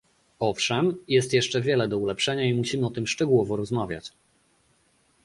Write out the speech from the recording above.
Owszem, jest jeszcze wiele do ulepszenia i musimy o tym szczegółowo rozmawiać